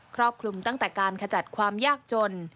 ครอบคลุมตั้งแต่การขจัดความยากจน